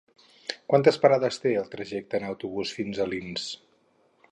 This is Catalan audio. Quantes parades té el trajecte en autobús fins a Alins?